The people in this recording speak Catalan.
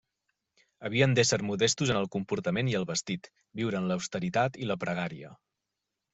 Havien d'ésser modestos en el comportament i el vestit, viure en l'austeritat i la pregària.